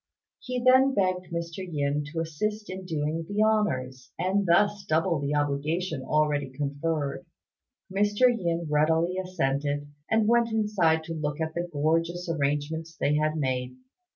He then begged Mr. Yin to assist in doing the honours, and thus double the obligation already conferred. Mr. Yin readily assented, and went inside to look at the gorgeous arrangements they had made.